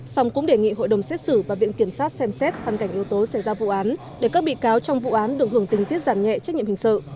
xong cũng đề nghị hội đồng xét xử và viện kiểm sát xem xét hoàn cảnh yếu tố xảy ra vụ án để các bị cáo trong vụ án được hưởng tình tiết giảm nhẹ trách nhiệm hình sự